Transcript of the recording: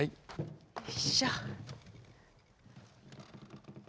よいしょ。